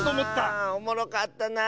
ああおもろかったなあ。